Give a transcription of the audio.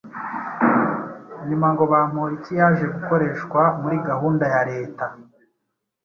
Nyuma ngo Bamporiki yaje gukoreshwa muri gahunda ya leta